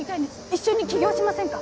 一緒に起業しませんか？